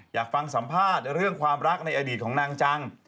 อยากฟังสัมภาษณ์เรื่องความรักในอดีตของนางจัง